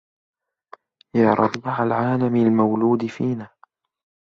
يا ربيع العالم المولود فينا